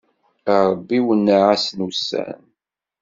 A Ṛebbi wenneɛ-asen ussan.